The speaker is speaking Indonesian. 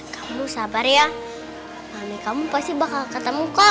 kamu sabar ya maami kamu pasti bakal ketemu kok